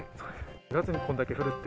４月にこんだけ降るって？